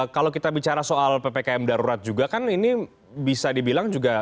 kalau kita bicara soal ppkm darurat juga kan ini bisa dibilang juga